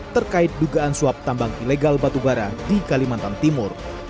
terkait dugaan suap tambang ilegal batubara di kalimantan timur